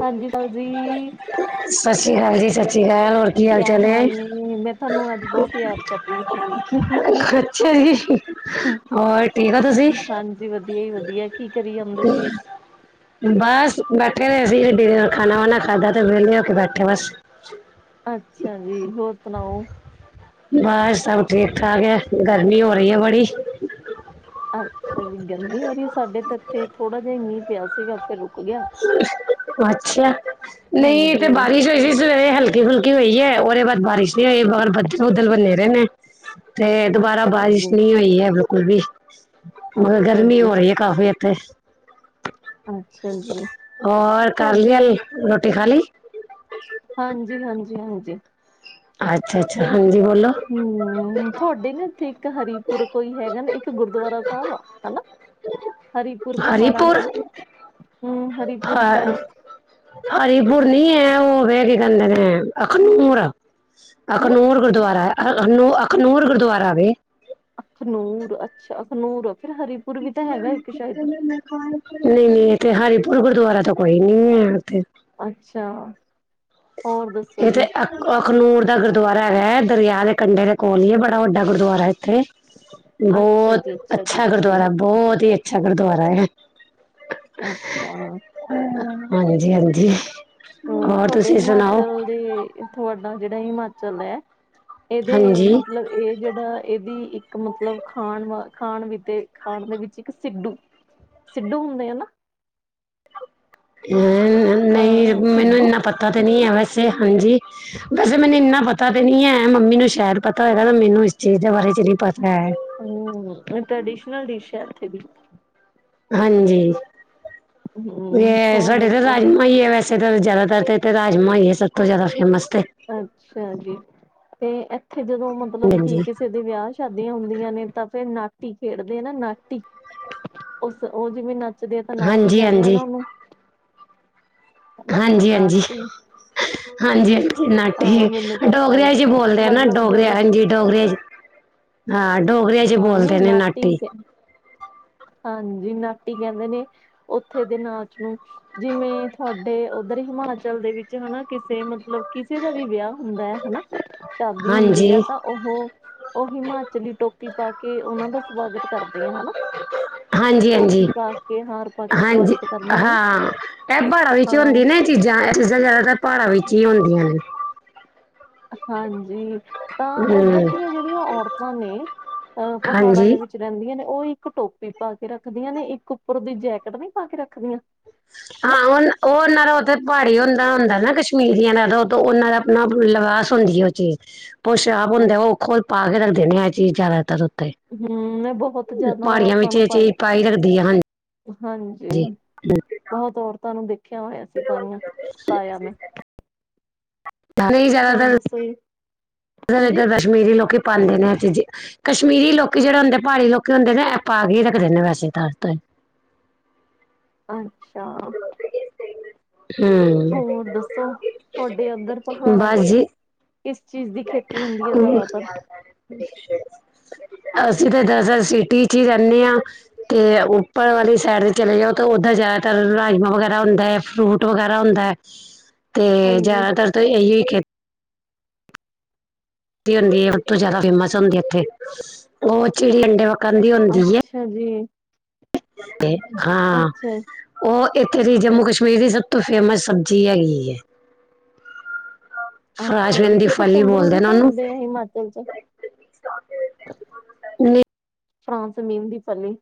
ਹਾਂਜੀ, ਤਾਓ ਜੀ? ਸਤਿ ਸ਼੍ਰੀ ਅਕਾਲ ਜੀ, ਸ- ਸ੍ਰੀ ਅਕਾਲ ਹੋਰ ਕੀ ਹਾਲ- ਕਿਆ ਚਾਲ, ਏ? ਨੇ ਮੈਂ ਤੁਹਾਨੂੰ ਅੱਜ ਬਹੁਤ ਯਾਦ ਕਰ ਰਹੀ ਸੀ। ਹੋਰ ਠੀਕ ਹੋ ਤੁਸੀਂ? ਹਾਂਜੀ ਵਧੀਆ ਹੀ ਵਧੀਆ ਕੀ ਕਰੀ ਜਾਂਦੇ ਸੀ। ਬਸ ਬੈਠੇ ਹੋਏ ਸੀਗੇ ਡਿਨਰ ਦੇ ਖਾਣਾ- ਵਾਣਾ ਖਾਧਾ, ਤੇ ਵਹਿਲੇ ਹੋ ਕੇ ਬੈਠੇ ਬਸ। ਅੱਛਾ ਜੀ, ਹੋਰ ਸੁਣਾਓ? ਬਸ ਸਭ ਠੀਕ-ਠਾਕ ਹੈ ਗਰਮੀ ਹੋ ਰਹੀ ਹੈ, ਬੜੀ। ਅੱਛਾ ਜੀ, ਗਰਮੀ ਹੋਰੀ ਹੈ ਸਾਡੇ ਤਾਂ ਇੱਥੇ, ਥੋੜਾ ਜਿਹਾ ਹੀ ਮੀਂਹ ਪਿਆ ਸੀਗਾ ਫੇਰ ਅੱਛਾ, ਨਹੀਂ ਇੱਥੇ ਹਾਂਜੀ ਬਾਰਿਸ਼ ਹੋਈ ਸੀ। ਸਵੇਰੇ ਹਲਕੀ- ਫੁਲਕੀ ਹੋਈ ਹੈ, ਉਹਦੇ ਬਾਅਦ ਬਾਰਿਸ਼ ਨਹੀ ਹੋਈ, ਬਾਹਰ ਬੱਦਲ- ਬੁਦਲ ਬਨੇ, ਰਹੇ ਨੇ ਤੇ ਦੁਬਾਰਾ, ਅੱਛਾ ਬਾਰਿਸ਼ ਜੀ ਨਹੀਂ ਹੋਈ ਬਿਲਕੁਲ ਵੀ, ਮਗਰ ਅੱਛਾ ਗਰਮੀ ਜੀ ਹੋ ਰਹੀ ਹੈ ਕਾਫੀ ਇੱਥੇ ਅੱਛਾ ਜੀ, ਔਰ ਕਰ ਲਿਆ ਤੁਹਾਡੇ ਰੋਟੀ ਖਾ ਲੀ? ਹਾਂਜੀ-ਹਾਂਜੀ -ਹਾਂਜੀ। ਅੱਛਾ -ਅੱਛਾ, ਹਾਂਜੀ ਬੋਲੋ ਹਮ ਤੁਹਾਡੇ, ਨਾ, ਇੱਥੇ ਇੱਕ ਹਰੀਪੁਰ ਕੋਈ ਹੈਗਾ ਨਾ, ਇੱਕ ਗੁਰਦੁਆਰਾ ਸਾਹਿਬ, ਆ ਹਨਾ। ਹਰੀਪੁਰ, ਪਹਾੜਾਂ ਚੱ ਨ ਹਾਂ। ਹਰੀਪੁਰ ਨਈ ਹੈ, ਉਹ ਵ ਕੇ ਕਹਿੰਦੇ ਨੇ ਅਖਨੂਰ। ਹਮ ਅਖਨੂਰ ਗੁਰਦੁਆਰਾ ਅ, ਅਖਨੂਰ ਗੁਰਦੁਆਰਾ ਵੇ। ਅਖਨੂਰ, ਅੱਛਾ ਅਖਨੂਰ ਫਿਰ ਹਰੀਪੁਰ ਵੀ ਤਾਂ ਹੈਗਾ ਇੱਕ ਸ਼ਾਇਦ ਨਹੀਂ- ਨਹੀਂ, ਇੱਥੇ ਹਰਪੁਰ ਗੁਰਦੁਆਰਾ ਤਾਂ ਕੋਈ ਨਈ ਹੈ ਉਥੇ। ਅੱਛਾ। ਹੋਰ ਦੱਸੋ ਇਹ ਤੇ ਜੀ ਉਹ ਅਖਨੂਰ ਦਾ ਗੁਰਦੁਆਰਾ ਹੈਗਾ ਹੈ, ਦਰਿਆ ਦੇ ਕੰਢੇ ਦੇ ਕੋਲ ਹੀ ਹੈ, ਬੜਾ ਵੱਡਾ ਗੁਰਦੁਆਰਾ ਇੱਥੇ [unintelligible] [unintelligible] ਬਹੁਤ ਜੀ ਜੀ ਅੱਛਾ, ਜੀ ਗੁਰਦੁਆਰਾ ਬਹੁਤ ਹੀ, ਅੱਛਾ ਗੁਰਦੁਆਰਾ ਏ, ਅੱਛਾ। ਹਾਂਜੀ -ਹਾਂਜੀ ਹੋਰ। ਤੁਸੀਂ ਸੁਣਾਓ ਹਿਮਾਚਲ ਦੇ, ਤੁਹਾਡਾ ਜਿਹੜਾ ਹਿਮਾਚਲ ਹੈ, ਇਹਦੇ ਹਾਂਜੀ ਮਤਲਬ ਇਹ ਜਿਹੜਾ ਇਹਦੀ ਇੱਕ ਮਤਲਬ, ਖਾਣ ਵ ਖਾਣ -ਖਾਣ ਦੇ ਵਿੱਚ ਇੱਕ ਸਿੱਧੂ। ਸਿੱਧੂ ਹੁੰਦੇ ਆ ਨਾ ਹ ਨਹੀਂ ਅਹ ਮੈਨੂੰ ਸਿੱਡੂ ਇੰਨਾ ਪਤਾ ਤਾਂ, ਨਹੀਂ ਹੈ ਵੈਸੇ ਹਾਂਜੀ। ਵੈਸੇ ਮੈਨੂੰ ਇੰਨਾ ਪਤਾ ਤੇ ਨਹੀਂ ਹੈ, ਮੰਮੀ ਨੂੰ ਸ਼ਾਇਦ ਪਤਾ ਹੋਏਗਾ, ਮੈਨੂੰ ਇਸ ਚੀਜ਼ ਦੇ ਬਾਰੇ ਚ ਨਹੀਂ ਪਤਾ ਹੈ। ਹਮ ਟ੍ਰੈਡੀਸ਼ਨਲ ਡਿਸ਼ ਹੈ ਇੱਥੇ। ਹਾਂਜੀ, ਹਮ ਵੀ ਹੋਰ ਸਾਡੇ ਦੱਸੋ ਰਾਜ ਵੈਸੇ ਤਾਂ ਜ਼ਿਆਦਾਤਰ ਤੇ, ਰਾਜਮਾ ਹੀ ਸਭ ਤੋਂ ਜ਼ਿਆਦਾ ਫੇਮਸ ਤੇ ਅੱਛਾ ਜੀ, ਤੇ ਇੱਥੇ ਜਦੋਂ ਮਤਲਬ ਹਾਂਜੀ ਕੀ ਕਿਸੇ ਵਿਆਹ ਸ਼ਾਦੀਆਂ ਹੁੰਦੀਆਂ ਨੇ, ਤਾਂ ਫੇਰ ਨਾਟੀ, ਖੇਡਦੇ ਆ ਨਾ ਨਾਟੀ। ਉਸ ਉਹ ਜਿਵੇਂ ਨੱਚਦੇ ਆ, ਤਾਂ ਨਾਤੀ ਹਾਂਜੀ ਕਹਿੰਦੇ ਆ ਹਾਂਜੀ ਨਾ ਉਹਨੂੰ। ਹਨਾ ਹਾਂਜੀ- ਹਾਂਜੀ- ਨਾਟੀ ਹਾਂਜੀ ਹਾਂ ਨਾਟੀ, ਮੈਨੂੰ ਠ ਪਤਾ ਏ ਡੋਗਰਿਆਂ ਚ ਬੋਲਦੇ ਆ ਨਾ, ਮਤਲਬ ਡੋਗਰੇ ਜਦੋਂ ਹਾਂਜੀ ਡੋਗਰਿਆਂ ਚ। ਹਾਂ ਡੋਗਰਿਆ ਚ ਹਾਂ ਨੀ ਬੋਲਦੇ ਨੇ, ਨਾਟੀ। ਹਾਂਜੀ, ਨਾਟੀ ਕਹਿੰਦੇ ਨੇ, ਉੱਥੇ ਦੇ ਨਾਚ ਨੂੰ। ਜਿਵੇਂ ਤੁਹਾਡੇ ਉੱਧਰ, ਹਿਮਾਚਲ ਦੇ ਵਿੱਚ ਹਨਾ, ਕਿਸੇ ਮਤਲਬ ਕਿਸੇ ਦਾ, ਵੀ ਵਿਆਹ ਹੁੰਦਾ ਹਨਾ, ਸ਼ਾਦੀ ਹਾਂਜੀ ਹੁੰਦੀ ਆ ਤਾਂ ਉਹ ਉਹ ਹਿਮਾਚਲੀ ਟੋਪੀ ਪਾ ਕੇ, ਉਹਨਾਂ ਦਾ ਸਵਾਗਤ, ਕਰਦੇ ਆ ਹਨਾ। ਹਾਂਜੀ ਟੋਪੀ -ਹਾਂਜੀ- ਪਾ ਕੇ ਹਾਰ ਪਾ ਕੇ ਹਾਂਜੀ ਸਵਾਗਤ ਕਰਨੇ ਆ ਨਾ ਹਾਂ, ਐ ਪਹਾੜਾ ਵਿੱਚ ਹਾਂ ਹੁੰਦੀ ਨੇ,। ਜਾ ਐ ਚੀਜ਼ਾਂ, ਜ਼ਿਆਦਾਤਰ ਪਹਾੜਾਂ ਵਿੱਚ, ਹੀ ਹੁੰਦੀਆਂ ਨੇ, ਹਾਂਜੀ, ਤਾਂ ਉੱਧਰ ਹਮ ਦੀਆਂ ਜਿਹੜੀਆਂ ਔਰਤਾਂ ਨੇ, ਅਹ ਪਹਾੜਾਂ ਦੇ ਹਾਂਜੀ ਵਿੱਚ ਰਹਿੰਦੀਆਂ ਨੇ, ਉਹ ਇੱਕ ਟੋਪੀ ਪਾ ਕੇ ਰੱਖਦੀਆਂ ਨੇ, ਇੱਕ ਉੱਪਰ ਦੀ ਜੈਕਟ, ਨ ਪਾ ਕੇ ਰੱਖਦੀਆਂ ਹਨਾ ਹਾਂ ਵਾਲਾ, ਉਹ ਉਹਨਾਂ ਦਾ ਉੱਥੇ ਪਹਾੜੀ ਹੁੰਦਾ -ਹੁੰਦਾ ਨਾ ਕਸ਼ਮੀਰੀਆਂ ਦਾ ਤਾਂ, ਉ ਤੋਂ ਉਹਨਾਂ ਦਾ ਆਪਣਾ ਲਿਵਾਸ, ਹੁੰਦੀ ਹੈ ਉਹ ਚੀਜ਼ ਪੋਸਾਬ ਹਮ ਹੁੰਦੇ ਓ ਖੋਲ ਪਾ ਕੇ ਰੱਖਦੇ ਨੇ ਆ ਇਹ ਚੀਜ਼ ਜ਼ਾਦਾਤਰ ਓਥੇ। ਹੂੰ ਮੈਂ ਬਹੁਤ ਜਿਆਦਾ ਔਰਤਾਂ ਨੂੰ ਇਹ ਚੀਜ਼ ਪਾਇਆ। ਪਾਈ ਰੱਖਦੀ ਹੈ ਹਾਂਜੀ ਹਾਂਜੀ, ਬਹੁਤ ਔਰਤਾਂ ਨੂੰ ਦੇਖ ਦੇਖਿਆ ਹੋਏਆ ਸੀ ਪਾਈਆਂ, ਪਾਇਆ ਮੈਂ ਹੋਰ ਦੱਸੋ ਜੀ ਹਾਂਜੀ ਇਦਰ ਕਸ਼ਮੀਰੀ ਲੋਕੀ ਪਾਂਦੇ ਨੇ ਆ ਚੀਜ਼ੀ। ਕਸ਼ਮੀਰੀ ਲੋਕੀ ਜੇੜੇ ਹੁੰਦੇ ਪਹਾੜੀ ਲੋਕੀ ਹੁੰਦੇ ਨੇ ਐਹ ਪਾ ਕੇ ਈ ਰੱਖਦੇ ਵੈਸੇ ਤਾਂ। ਅੱਛਾ। ਹੂੰ ਹੋਰ ਦੱਸੋ ਤੁਹਾਡੇ ਓਦਰ ਪਹਾੜਾਂ ਬਸ ਚ ਜੀ ਕਿਸ ਚੀਜ਼ ਦੀ ਖੇਤੀ ਹੁੰਦੀ ਐ ਜਾਦਾਤਰ ਅਸੀ ਤਾਂ ਦਰਅਸਲ ਸਿਟੀ ਚ ਈ ਰੈਨੇ ਆਂ। ਤੇ ਉਪਰ ਵਾਲੀ ਸਾਈਡ ਤੇ ਚਲੇ ਜਾਓ ਤਾਂ ਓਦਰ ਜਾਦਾਤਰ ਰਾਜਮਾਂ ਵਗੈਰਾ ਹੁੰਦਾ ਐ ਫਰੂਟ ਵਗੈਰਾ ਹੁੰਦਾ ਐ। [inaudible] ਤੇ ਹਾਂਜੀ ਜਾਦਾਤਰ ਤਾ ਏਹੀ ਖੇ ਦੀ ਹੁੰਦੀ ਆ ਸਭ ਤੋਂ ਜਾਦਾ ਫੇਮਸ ਹੁੰਦੀ ਏ ਏਥੇ, ਓ ਚਿੜੀ ਅੰਡੇ ਵੱਕਣ ਅੱਛਾ ਜੀ। ਤੇ ਹਾਂ ਅੱਛਾ, ਓ ਏਥੇ ਦੀ ਜੰਮੂ ਕਸ਼ਮੀਰ ਦੀ ਸਬ ਤੋਂ ਫੇਮਸ ਸਬਜ਼ੀ ਹੈਗੀ ਐ। ਅੱਛਾ ਜੀ ਫਰਾਸ਼ਬਿਨ ਦੀ ਇਕ ਫਲੀ ਕੁੰਦਰੂ ਬੋਲਦੇ ਵੀ ਨੇ ਤਾਂ ਉਹਨੂੰ ਹੁੰਦੇ ਆ ਹਿਮਾਚਲ ਚ ਨਹੀਂ ਫਰਾਂਸ ਮੀਨ ਦੀ ਫਲੀ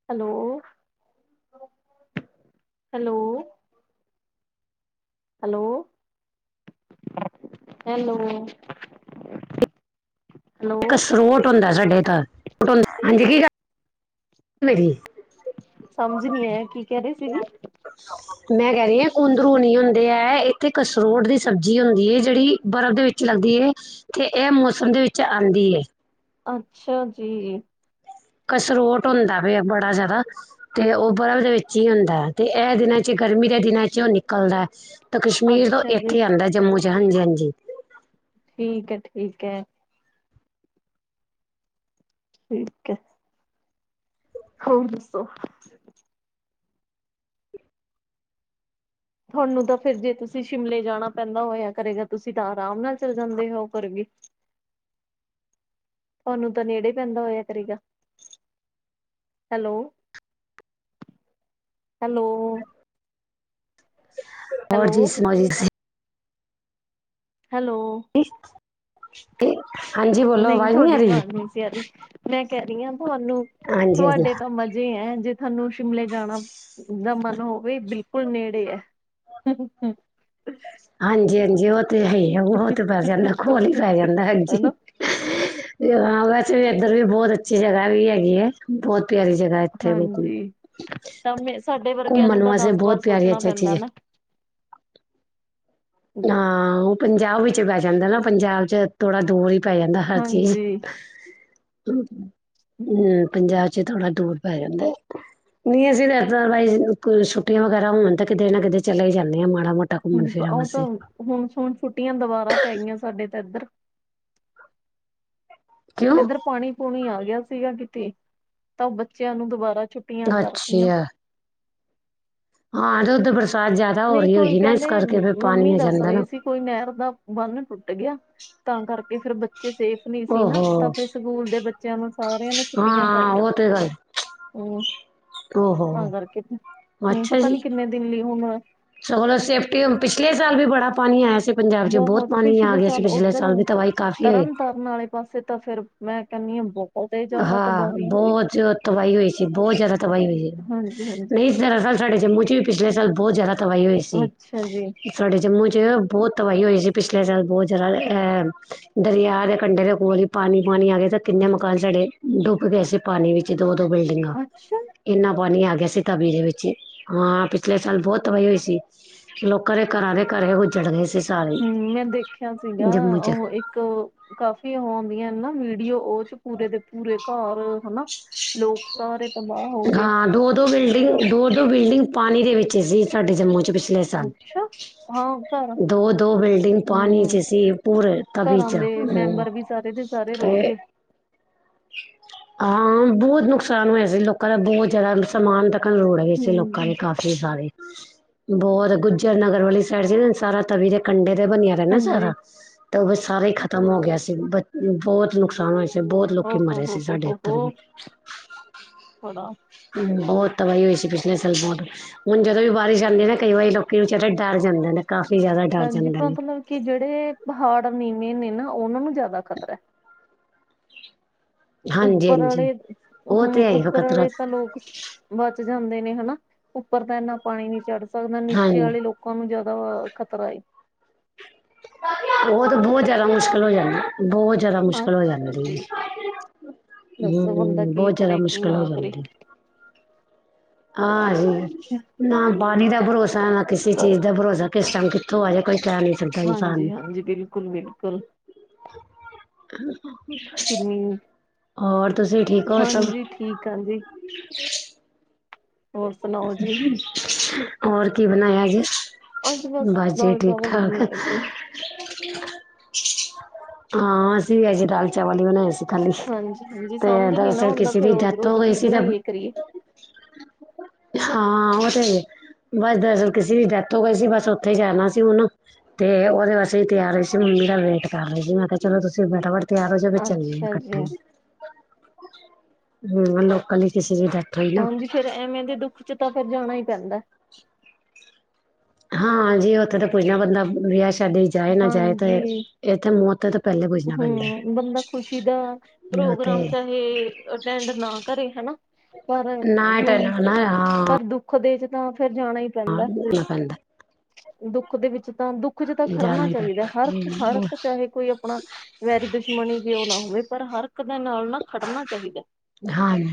ਹੈਲੋ-ਹੈਲੋ ਹੈਲੋ-ਹੈਲੋ ਇਕ ਸਰੋਟ ਹੁੰਦਾ ਸਾਡੇ ਘਰ [unintelligible] ਮੇਰੀ ਸਮਝ ਨੀ ਆਏਆ ਕੀ ਕੈ ਰਏ ਸੀ ਜੀ। [inaudible] ਮੈ ਕੈ ਰਈ ਆ ਕੁੰਦਰੂ ਨੀ ਹੁੰਦੇ ਐ ਏਥੇ ਕਸਰੋਟ ਦੀ ਸਬਜ਼ੀ ਹੁੰਦੀ ਏ ਜੇੜੀ ਬਰਫ਼ ਦੇ ਵਿਚ ਵਿਚ ਲੱਗਦੀ ਐ, ਤੇ ਐ ਮੌਸਮ ਦੇ ਵਿਚ ਆਂਦੀ ਐ। ਅੱਛਾ ਜੀ। ਕਸਰੋਟ ਹੁੰਦਾ ਪਿਆ ਬੜਾ ਜਾਦਾ। ਤੇ ਓ ਬਰਫ਼ ਦੇ ਵਿਚ ਈ ਹੁੰਦਾ ਤੇ ਐਹ ਦਿਨਾਂ ਚ ਗਰਮੀ ਦੇ ਦਿਨਾਂ ਚ ਓ ਨਿਕਲਦਾ। ਕਸ਼ਮੀਰ ਤੋਂ ਅੱਛਾ ਜੀ ਏਥੇ ਆਂਦਾ ਜੰਮੂ ਚ ਹਾਂਜੀ-ਹਾਂਜੀ। ਠੀਕ ਐ-ਠੀਕ ਐ। ਠੀਕ ਐ। ਹੋਰ ਦੱਸੋ ਥੋਨੂੰ ਤਾਂ ਫੇਰ ਜੇ ਤੁਸੀ ਸ਼ਿਮਲੇ ਜਾਨਾ ਪੈਂਦਾ ਹੋਏਆ ਕਰੇਗਾ ਤੁਸੀ ਤਾਂ ਅਰਾਮ ਨਾਲ ਚੱਲ ਜਾਂਦੇ ਹੋ ਕਰ ਵੀ। ਤੁਹਾਨੂੰ ਤਾਂ ਨੇੜੇ ਪੈਂਦਾ ਹੋਏਆ ਕਰੇਗਾ, ਹੈਲੋ ਹੈਲੋ ਹੋਰ ਜੀ ਹੈਲੋ, ਸਨਾਈਏ ਹੈਲੋ- ਹਾਂਜੀ ਬੋਲੋ ਅਵਾਜ਼ ਨੀ ਆ ਰਈ। ਚਆਰੀ ਮੈਂ ਕੈ ਰਈ ਆਂ ਤੁਹਾਨੂੰ ਹਾਂਜੀ ਹਾਂਜੀ ਤੁਹਾਡੇ ਤਾਂ ਮਜੇ ਐ ਜੇ ਥਾਨੂੰ ਸ਼ਿਮਲੇ ਜਾਨਾ ਦਾ ਮਨ ਹੋਵੇ ਬਿਲਕੁਲ ਨੇੜੇ ਐ। [inaudible] ਹਾਂਜੀ- ਹਾਂਜੀ ਓ ਤੇ ਹੈ ਹੀ ਹੈ ਓ ਤੇ ਪੈ ਜਾਂਦਾ ਕੋਲ ਈ ਪੈ ਜਾਂਦਾ ਹਾਂਜੀ। ਹਨਾ ਹਾਂ ਵੈਸੇ ਵੀ ਇਧਰ ਵੀ ਬਹੁਤ ਅਛੀ ਜਗ੍ਹਾ ਵੀ ਹੈਗੀ ਐ, ਬਹੁਤ ਪਿਆਰੀ ਜਗਾ ਇਥੇ ਬਿਲਕੁਲ, ਹਾਂਜੀ ਤਾਂ ਮੈਂ ਸਾਡੇ ਵਰਗਿਆਂ ਘੁੰਮਨ ਨੂੰ ਤਾਂ ਵਾਸੇ ਦਸ ਬਹੁਤ ਵਾਰ ਪਿਆਰੀ ਸੋਚਣਾ ਅੱਛਾ ਪੈਂਦਾ ਚੀਜ- ਨਾ ਹਾਂ ਉਹ ਪੰਜਾਬ ਵਿਚ ਪੈਹਿ ਜਾਦਾ ਨਾ ਪੰਜਾਬ 'ਚ ਥੋੜਾ ਦੂਰ ਹੀ ਪੈ ਜਾਦਾ ਹਾਂਜੀ ਹੂੰ - [unintelligible] ਪੰਜਾਬ 'ਚ ਥੋੜ੍ਹਾ ਦੂਰ ਪੈ ਜਾਂਦੈ। ਨਹੀ ਅਸੀ ਤਾਂ ਛੁੱਟੀਆਂ ਵਗੈਰਾ ਹੋਣ ਤਾਂ ਕਿਤੇ ਨਾ ਕਿਤੇ ਚਲੇ ਹੀ ਜਾਨੇ ਆਂ ਮਾੜਾ ਮੋਟਾ ਘੁੰਮਣ ਹਾਂਜੀ ਫਿਰਨ ਉਹ ਵਾਸਤੇ ਤਾਂ ਹੁਣ ਹੁਣ ਛੁੱਟੀਆਂ ਦੁਬਾਰਾ ਪੈ ਗਈਆਂ ਸਾਡੇ ਤਾਂ ਇੱਧਰ। ਕਿਉਂ ਏਧਰ ਪਾਣੀ ਪੂਣੀ ਆ ਗਿਆ ਸੀਗਾ ਕਿਤੇ, ਤਾਂ ਉਹ ਬੱਚਿਆਂ ਨੂੰ ਦੁਬਾਰਾ ਛੁੱਟੀਆਂ ਕਰਤੀਆਂ ਅਛਿਆ ਹਾਂ ੳਦੁੱਧ ਬਰਸਾਤ ਜਿਆਦਾ ਹੋ ਨਹੀਂ ਰਹੀ ਕੋਈ ਹੋਗੀ ਨਾ ਇਸ ਕਹਿੰਦੇ ਕਰਕੇ ਫੇਰ ਮ- ਪਾਣੀ ਮੰਮੀ ਆ ਦੱਸ ਜਾਂਦਾ ਰਹੇ ਨਾ। ਸੀ ਕੋਈ ਨਹਿਰ ਦਾ ਬੰਨ ਟੁੱਟ ਗਿਆ ਤਾਂ ਕਰਕੇ ਫੇਰ ਬੱਚੇ ਸੇਫ ਨਹੀ ਸੀ ਨਾ ਤਾਂ ਓਹੋ ਫਿਰ ਸਕੂਲ ਦੇ ਬੱਚਿਆਂ ਨੂੰ ਸਾਰਿਆਂ ਨੇ ਛੁੱਟੀਆਂ ਹਾਂ ਪਾਈਆਂ। ਉਹ ਤੇ ਗੱਲ ਹੂੰ, ਓਹੋ ਤਾਂ ਕਰਕੇ, ਹੂੰ ਪਤਾ ਨੀ ਕਿਨੇ ਦਿਨ ਲਈ ਹੁਣ ਸਗਲ ਸੇਫਟੀ ਪਿਛਲੇ ਸਾਲ ਵੀ ਬੜਾ ਪਾਨੀ ਆਯਾ ਸੀ। ਪੰਜਾਬ ਚ ਬਹੁਤ ਪਾਣੀ ਆ ਪਿਛਲੇ ਗਿਆ ਸੀ ਸਾਲ ਪਿਛਲੇ ਉੱਧਰ ਸਾਲ ਵੀ ਤਵਾਹੀ ਕਾਫ਼ੀ ਹੋਏ ਤਰਨ ਤਾਰਨ ਵਾਲੇ ਪਾਸੇ ਤਾਂ ਫੇਰ ਮੈਂ ਕਹਿੰਨੀ ਆਂ ਬ ਹਾ, ਬਹੁਤ ਜੋ ਤਬਾਹੀ ਹੋਈ ਸੀ ਬਹੁਤ ਜ਼ਿਆਦਾ ਤਬਾਹੀ ਹੋਈ, ਹਾਂਜੀ ਹਾਂਜੀ ਨਹੀਂ ਦਰਅਸਲ ਸਾਡੇ ਜੰਮੂ ਚ ਵੀ ਪਿਛਲੇ ਸਾਲ ਬਹੁਤ ਜ਼ਿਆਦਾ ਤਬਾਹੀ ਹੋਈ ਸੀ। ਅੱਛਾ ਜੀ ਸਾਡੇ ਜੰਮੂ ਚ ਬਹੁਤ ਤਬਾਹੀ ਹੋਈ ਸੀ ਪਿਛਲੇ ਸਾਲ ਬਹੁਤ ਜ਼ਿਆਦਾ ਅਹ ਦਰਿਆ ਦੇ ਕੰਢੇ ਦੇ ਕੋਲ ਹੀ ਪਾਨੀ ਪਾਨੀ ਆ ਗਏ ਤਾਂ ਕਿੰਨੇ ਮਕਾਨ ਸਾਡੇ ਡੁੱਬ ਗਏ ਸੀ ਪਾਨੀ ਵਿੱਚ ਦੋ ਦੋ ਬਿਲਡਿੰਗਾਂ। ਅੱਛਾ। ਇੰਨਾ ਪਾਨੀ ਆ ਗਿਆ ਸੀ ਤਬੀ ਦੇ ਵਿੱਚ ਹਾਂ ਪਿਛਲੇ ਸਾਲ ਬਹੁਤ ਤਬਾਹੀ ਹੋਈ ਸੀ। ਲੋਕਾਂ ਦੇ ਘਰਾਂ ਦੇ ਘਰ ਉੱਜੜ ਗਏ ਸੀ। ਸਾਰੇ ਹੁੰ ਮੈਂ ਦੇਖਿਆ ਸੀਗਾ ਜੰਮੂ ਚ ਉਹ ਇੱਕ ਕਾਫੀ ਉਹ ਆਉਂਦੀਆਂ ਨਾ ਡੀਓ ਉਹ ਚ ਪੂਰੇ ਦੇ ਪੂਰੇ ਘਰ ਹਨਾ ਲੋਕ ਸਾਰੇ ਤਬਾਹ ਹੋ ਗਏ। ਹਾਂ ਦੋ ਦੋ ਵ, [unintelligible] ਦੋ ਦੋ ਬਿਲਡਿੰਗ ਪਾਨੀ ਦੇ ਵਿੱਚ ਸੀ ਸਾਡੇ ਜੰਮੂ ਚ ਪ ਪਿਛਲੇ ਸਾਲ, ਅੱਛਾ ਹਾਂ ਘਰ ਦੋ ਦੋ ਬਿਲਡਿੰਗ ਪਾਨੀ ਚ ਹੂੰ ਸੀ ਪੂਰੇ ਤਬੀ ਘਰਾਂ ਚ ਦੇ ਹਮ ਮੈਂਬਰ ਵੀ ਸਾਰੇ ਦੇ ਸਾਰੇ ਰੁੜ ਤੇ ਗਏ ਹਾਂ ਬਹੁਤ ਨੁਕਸਾਨ ਹੋਇਆ ਸੀ ਲੋਕਾਂ ਦਾ ਬਹੁਤ ਜ਼ਿਆਦਾ ਸਮਾਨ ਤ ਲ ਲੋੜ ਵੇ ਲੋਕਾਂ ਦੇ ਹੂੰ ਕਾਫੀ ਸਾਰੇ ਬਹੁਤ ਗੁੱਜਰ ਨਗਰ ਵਾਲੀ ਸਾਈਡ ਸੀ ਨਾ ਸਾਰਾ ਤਵੀ ਦੇ ਕੰਢੇ ਤੇ ਬਨਿਆ। ਨਾ ਸਾਰਾ ਹਾਂਜੀ ਤੇ ਉਹ ਬ ਸਾਰੇ ਹੀ ਖ਼ਤਮ ਹੋ ਗਿਆ ਸੀ, ਬ ਬਹੁਤ ਨੁਕਸਾਨ ਹੋਇਆ ਸੀ। ਤੇ ਬਹੁਤ ਲੋਕੀ ਮਰੇ ਸੀ। ੋ ਸਾਡੇ ਹੋ ਇੱਧਰ ਵੀ ਹੋਣਾਾ [unintelligible] ਬਹੁਤ ਤਬਾਹੀ ਹੋਈ ਸੀ ਪਿਛਲੇ ਸਾਲ ਬੋਤ। ਹੁਣ ਜਦੋਂ ਵੀ ਬਾਰਿਸ਼ ਆਂਦੀ ਨਾ ਕਈ ਵਾਰੀ ਲੋਕੀ ਵਿਚਾਰੇ ਡਰ ਜਾਂਦੇ ਨੇ। ਕਾਫੀ ਜ਼ਿਆਦਾ ਡਰ ਹਾਂਜੀ ਜਾਂਦੇ ਨੇ ਮਤਲਬ ਕਿ ਜਿਹੜੇ ਪਹਾੜ ਨੀਵੇੇ ਨੇ ਨਾ ਉਹਨਾਂ ਨੂੰ ਜ਼ਿਆਦਾ ਖ਼ਤਰੈ। ਹਾਂਜੀ ਉੱਪਰ ਹਾਂਜੀ ਆਲੇ ਉਹ ਹੁੰ ਤੇ ਹੈ ਹੀ ਉੱਪਰ ਖਤਰਾ ਵਾਲੇ ਤਾਂ ਲੋਕ ਬਚ ਜਾਂਦੇ ਨੇ ਹਨਾ ਉੱਪਰ ਤਾਂ ਇੰਨਾ ਪਾਣੀ ਨੀ ਚੜ ਸਕਦਾ ਨੀਚੇ ਹਾਂਜੀ ਵਾਲੇ ਲੋਕ ਲੋਕਾਂ ਨੂੰ ਜਿਆਦਾ ਖ਼ਤਰਾ ਏ, [unintelligible] ਉਹ ਤਾਂ ਬਹੁਤ ਜਿਆਦਾ ਮੁਸ਼ਕਿਲ ਹੋ ਜਾਂਦਾ ਬਹੁਤ ਜਿਆਦਾ ਮੁਸ਼ਕਿਲ ਹੋ ਅੱਛਾ ਜਾਂਦੀ। ਜੀ ਦੱਸੋ ਬੰਦਾ ਹਮ ਕੀ ਬਹੁਤ ਜਿਆਦਾ ਕਰੇ ਕੀ ਮੁਸ਼ਕਿਲ ਹੋ ਨਾ ਕਰੇ। ਜਾਂਦੀ। ਹਾਂਜੀ ਨਾ ਪਾਣੀ ਦਾ ਭਰੋਸਾ ਨਾ ਕਿਸੇ ਚੀਜ਼ ਦਾ ਭਰੋਸਾ। ਕਿਸ ਟਾਈਮ ਕਿੱਥੋਂ ਆਜੇ ਕੋਈ ਟੈਮ ਨੀ, ਹਾਂਜੀ-ਹਾਂਜੀ ਬਿਲਕੁਲ-ਬਿਲਕੁਲ, ਕਿੰਨੀ ਹੋਰ ਤੁਸੀਂ ਠੀਕ ਹੋ ਸਭ? ਹਾਂਜੀ ਠੀਕ ਆ ਜੀ, ਹੋਰ ਸੁਣਾਓ ਜੀ ਹੋਰ ਕੀ ਬਣਾਇਆ ਜੀ? ਅੱਜ ਬਸ ਜੀ ਦਾਲ ਚਾਵਲ ਹੀ ਠੀਕ-ਠਾਕ, ਬਣਾਏ ਸੀ। ਹਾਂ ਅਸੀਂ ਵੀ ਆਏ ਸੀ ਦਾਲ ਚਾਵਲ ਹੀ ਬਣਾਇਆ ਸੀ। [unintelligible] ਹਾਂਜੀ ਹਾਂਜੀ ਤੇ ਸਮਝ ਨੀ ਨਾ ਦਰਅਸਲ ਆਉਂਦਾ ਕਿਸੇ ਫਿਰ ਦੀ ਰੋਜ਼ ਡੈਥ ਰੋਜ਼ ਹੋ ਗਈ ਕੀ ਸੀ ਤੇ, ਬਣਾਈਏ ਕਰੀਏ। ਹਾਂ ਉਹ ਤੇ, ਬਸ ਦਰਅਸਲ ਕਿਸੇ ਦੀ ਡੈਥ ਹੋ ਗਈ ਸੀ ਬਸ ਉੱਥੇ ਹੀ ਜਾਣਾ ਸੀ ਹੁਣ ਤੇ ਉਹਦੇ ਵਾਸਤੇ ਤਿਆਰ ਰਹੀ ਸੀ ਮੰਮੀ ਦਾ ਵੇਟ ਕਰ ਰਹੀ ਸੀ ਮੈਂ ਕਿਹਾ ਚਲੋ ਤੁਸੀਂ ਬੈਟਾ ਵ ਪਿਆਰ ਜਾ ਬੱਜੇ ਲੇ ਅੱਛਾ ਜੀ ਇਕੱਠੇ ਹੂੰ ਲੋਕਲ ਹੀ ਕਿਸੇ ਵੀ ਹਾਂਜੀ ਫੇਰ ਐਵੇਂ ਦੇ ਦੁੱਖ ਚ ਤਾਂ ਫਿਰ ਜਾਣਾ ਈ ਪੈਂਦਾ। ਹਾਂ ਜੀ ਉੱਥੇ ਤਾਂ ਪੁੱਜਣਾ ਬੰਦਾ ਵਿਆਹ ਸ਼ਾਦੀ ਜਾਏ ਨਾ ਜਾਏ ਤੇ ਹਾਂਜੀ ਇੱਥੇ ਮੌਤ ਪਹਿਲੇ ਪੁੱਛਣਾ ਪੈਂਦਾ ਹੂੰ ਬੰਦਾ ਖ਼ੁਸ਼ੀ ਦਾ ਤੇ ਪ੍ਰੋਗਰਾਮ ਚਾਹੇ ਅਟੈਂਡ ਨਾ ਕਰੇ ਹਨਾ ਪਰ ਨਾ ਹੂੰ, ਟਲਣਾ ਨਾ ਪਰ ਦੁੱਖ ਦੇ ਚ ਤਾਂ ਫੇਰ ਜਾਣਾ ਹੀ ਹਾਂ ਪੈਂਦਾ। [unintelligible] ਦੁੱਖ ਦੇ ਵਿੱਚ ਤਾਂ ਦੁੱਖ ਚ ਤਾਂ ਖੜਨਾ ਜਾਣਾ ਹੀ ਚਾਹੀਦਾ ਹਰ-ਹਰ ਪੈਂਦਾ ਇੱਕ ਚਾਹੇ ਕੋਈ ਆਪਣਾ ਵੈਰੀ ਦੁਸ਼ਮਣੀ ਕਿਉਂ ਨਾ ਹੋਵੇ ਪਰ ਹਰ ਇੱਕ ਦੇ ਨਾਲ ਨਾ ਖੜਨਾ ਚਾਹੀਦਾ। ਹਾਂਜੀ,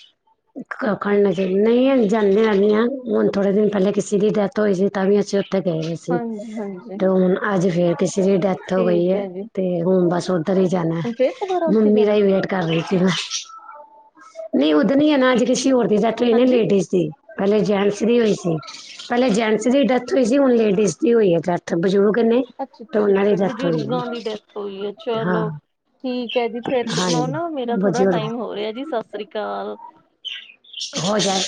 [inaudible] ਕਾਖਣ ਤੇ ਨਹੀਂ ਅਸੀਂ ਜਾਨੇ ਹੈਗੇ ਆ, ਹੁਣ ਥੋੜੇ ਦਿਨ ਪਹਿਲੇ ਕਿਸੇ ਦੀ ਡੈੱਥ ਹੋਈ ਸੀ ਤਾਂ ਵੀ ਅਸੀਂ ਓਥੇ ਗਏ ਸੀ। ਹਾਂਜੀ-ਹਾਂਜੀ, ਤੇ ਹੁਣ ਅੱਜ ਫੇਰ ਕਿਸੇ ਦੀ ਡੈਥ ਹੋ ਗਈ ਠੀਕ ਐ ਹੈ ਜੀ ਤੇ ਹੁਣ ਬਸ ਉਧਰ ਹੀ ਜਾਣਾ, ਹੁਣ ਫੇਰ ਦੁਬਾਰਾ ਉੱਥੇ ਮੰਮੀ ਦਾ ਜਾਣਾ ਹੀ ਵੇਟ ਕਰ ਰਹੀ ਸੀ ਨਾ, ਨਹੀਂ ਉੱਦਨ ਹੀ ਨਾ ਅੱਜ ਕਿਸੇ ਹੋਰ ਡੈੱਥ ਹੋਈ ਨਾ ਹਾਂਜੀ। ਲੇਡੀਜ਼ ਦੀ। ਪਹਿਲੇ ਜੇਨਸ ਦੀ ਹੋਈ ਸੀ। ਪਹਿਲੇ ਜੈਂਟਸ ਦੀ ਡੈਥ ਹੋਈ ਸੀ ਹੁਣ ਲੇਡੀਜ਼ ਦੀ ਹੋਈ ਐ ਡੈਥ ਬਜ਼ੁਰਗ ਨੇ ਤੇ ਉਹਨਾਂ ਦੀ ਅੱਛਾ-ਅੱਛਾ-ਅੱਛਾ ਡੈਥ ਹੋਈ ਬਜ਼ੁਰਗਾਂ ਦੀ ਹੈ ਡੈਥ ਹੋਈ ਐ ਹਾਂ ਚਲੋ। ਠੀਕ ਐ ਜੀ ਫੇਰ ਹਾਂਜੀ ਨਾ ਮੇਰਾ ਥੋੜਾ ਬਜ਼ੁਰਗ ਟਾਈਮ ਹੋ ਰਿਹਾ ਜੀ ਸਤਿ ਸ੍ਰੀ ਅਕਾਲ। ਹੋ ਜਾਏ,